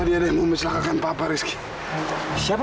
tadi ada yang mempercelakakan papa rizky siapa